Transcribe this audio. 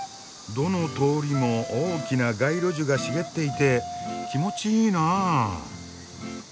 どの通りも大きな街路樹が茂っていて気持ちいいなあ。